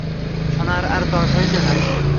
শোনার আর তর সইছে না।